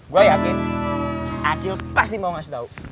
gue yakin acil pasti mau mas daud